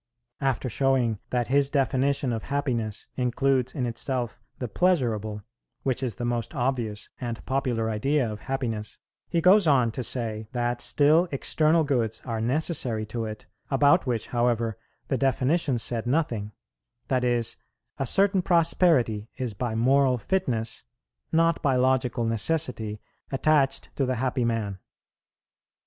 After showing that his definition of happiness includes in itself the pleasurable, which is the most obvious and popular idea of happiness, he goes on to say that still external goods are necessary to it, about which, however, the definition said nothing; that is, a certain prosperity is by moral fitness, not by logical necessity, attached to the happy man.